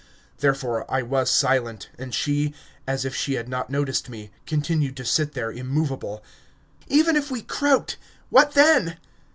Therefore I was silent, and she, as if she had not noticed me, continued to sit there immovable. "Even if we croaked ... what then...?"